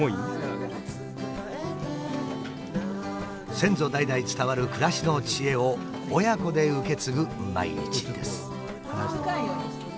先祖代々伝わる暮らしの知恵を親子で受け継ぐ毎日です。